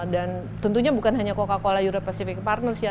dan tentunya bukan hanya coca cola europe pacific partners ya